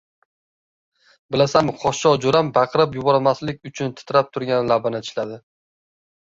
— Bilasanmi, Qo‘sho! — jo‘ram baqirib yubormaslik uchun titrab turgan labini tishladi.